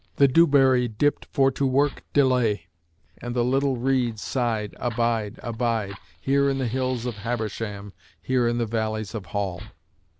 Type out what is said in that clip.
The dewberry dipped for to work delay, And the little reeds sighed Abide, abide, Here in the hills of Habersham, Here in the valleys of Hall.